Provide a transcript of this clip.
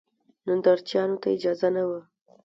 نندارچیانو ته اجازه نه وه.